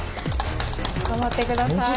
頑張ってください。